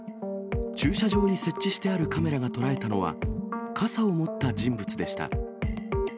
駐車場に設置してあるカメラが捉えたのは、傘を持った人物でした。